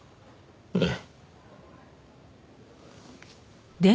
ええ。